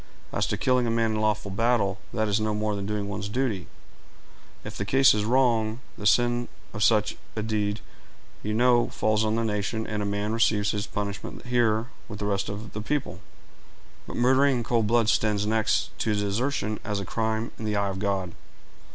"As to killing a man in lawful battle, that is no more than doing one's duty. If the cause is wrong, the sin of such a deed, you know, falls on the nation, and a man receives his punishment here with the rest of the people; but murdering in cold blood stands next to desertion as a crime in the eye of God."